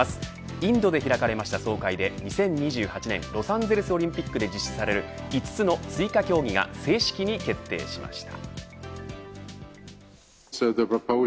インドで開かれました総会で２０２８年ロサンゼルスオリンピックで実施される５つの追加競技が正式に決定しました。